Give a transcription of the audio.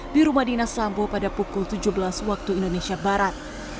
di rumah dinas sambo pada pukul tujuh belas waktu indonesia barat